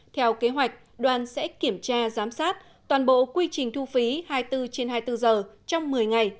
theo kế hoạch đoàn sẽ kiểm tra giám sát toàn bộ quy trình thu phí hai mươi bốn trên hai mươi bốn giờ trong một mươi ngày